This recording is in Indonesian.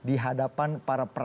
itu hal yang besar